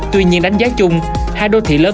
tuy nhiên đánh giá chung hai đô thị lớn